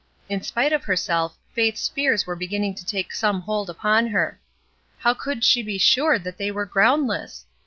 In spite of herself Faith's fears were beginning to take some hold upon her. How could she be sure that they were ground less?